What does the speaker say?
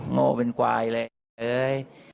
โง่เป็นกวายเลย